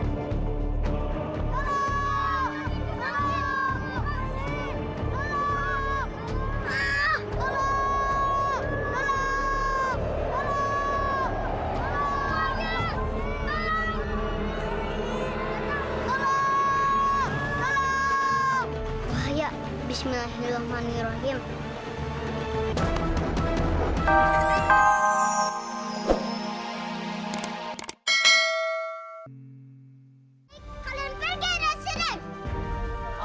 sampai jumpa di video selanjutnya